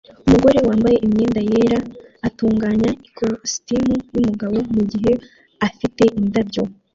Umugore wambaye imyenda yera atunganya ikositimu yumugabo mugihe afite indabyo